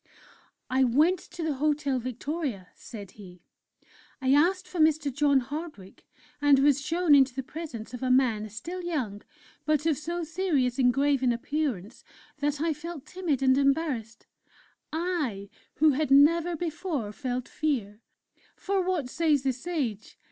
"I went to the Hotel Victoria," said he; "I asked for Mr. John Hardwick, and was shown into the presence of a man, still young, but of so serious and grave an appearance that I felt timid and embarrassed I who had never before felt fear! (For, what says the Sage?